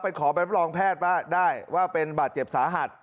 ขอไปรับรองแพทย์ได้ว่าเป็นบาดเจ็บสาหัส